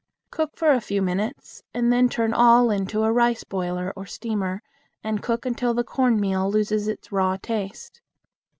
Cook for a few minutes and then turn all into a rice boiler or steamer, and cook until the cornmeal loses its raw taste.